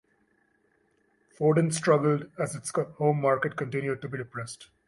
Foden struggled as its home market continued to be depressed.